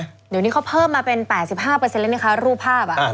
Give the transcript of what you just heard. ตอนนี้เขาเพิ่มมาเป็น๘๕ล่ะนะคะรูปภาพ